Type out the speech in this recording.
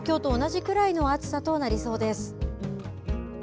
あすも、きょうと同じくらいの暑さとなりそうです。